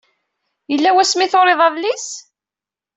Yella wasmi ay turiḍ adlis?